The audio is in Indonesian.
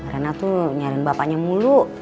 dia nanya mulu